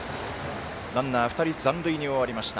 ランナー２人残塁に終わりました。